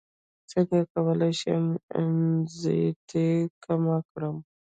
څنګه کولی شم انزیتي کمه کړم